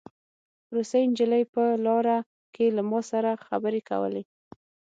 روسۍ نجلۍ په لاره کې له ما سره خبرې کولې